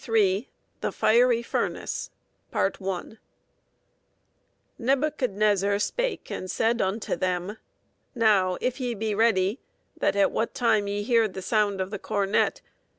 III THE FIERY FURNACE Nebuchadnezzar spake and said unto them, ... Now if ye be ready that at what time ye hear the sound of the cornet